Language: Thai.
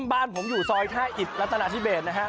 บ้านผมอยู่ซอยท่าอิดรัตนาธิเบสนะฮะ